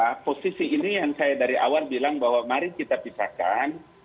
nah posisi ini yang saya dari awal bilang bahwa mari kita pisahkan